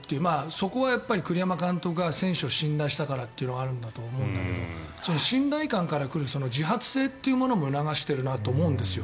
そこがやっぱり栗山監督が選手を信頼したからというのがあると思うけど信頼感から来る自発性というものも促しているなと思うんですよ。